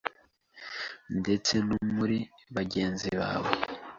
ndetse no muri bagenzi bawe,